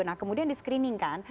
nah kemudian di screening kan